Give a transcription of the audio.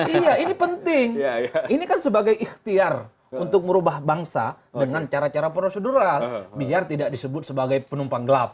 iya ini penting ini kan sebagai ikhtiar untuk merubah bangsa dengan cara cara prosedural biar tidak disebut sebagai penumpang gelap